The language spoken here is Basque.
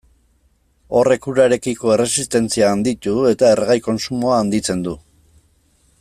Horrek urarekiko erresistentzia handitu eta erregai kontsumoa handitzen du.